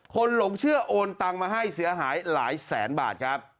หลงเชื่อโอนตังมาให้เสียหายหลายแสนบาทครับ